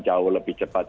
jauh lebih cepat